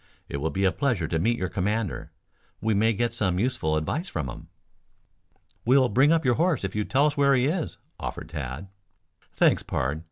It will be a pleasure to meet your commander. We may get some useful advice from him." "We'll bring up your horse if you will tell us where he is," offered Tad. "Thanks, pard.